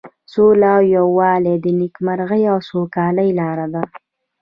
سوله او یووالی د نیکمرغۍ او سوکالۍ لاره ده.